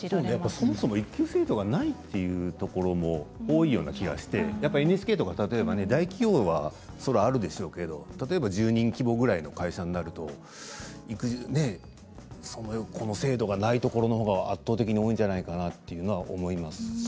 そもそも育休制度がないというところも多いような気がしてＮＨＫとか大企業はあるでしょうけれど１０人規模ぐらいの会社になるとこの制度がないところのほうが圧倒的に多いんじゃないかなと思います。